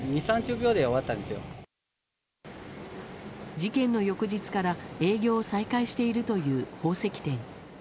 事件の翌日から営業を再開しているという宝石店。